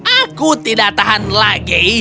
aku tidak tahan lagi